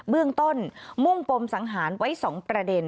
เบื้องต้นมุ่งปมสังหารไว้๒ประเด็น